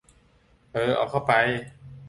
เออ เอาเข้าไป